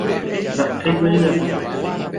Mba'éiko pejapóta.